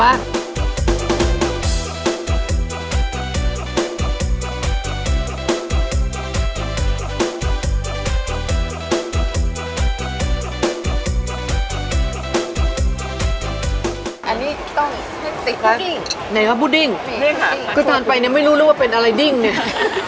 อันนี้ต้องให้ติดพุดดิ้งไหนคะพุดดิ้งนี่ค่ะก็ตอนไปเนี้ยไม่รู้รู้ว่าเป็นอะไรดิ้งเนี้ย